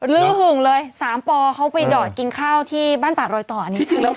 รือหึ่งเลย๓ปเขาไปดอดกินข้าวที่บ้านปากโรยต่อนี้ใช่ไหมคะ